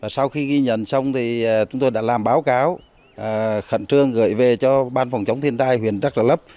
sau khi ghi nhận xong thì chúng tôi đã làm báo cáo khẩn trương gửi về cho ban phòng chống thiên tai huyện trắc đà lấp